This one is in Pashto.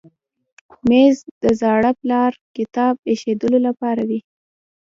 مېز د زاړه پلار کتاب ایښودلو لپاره وي.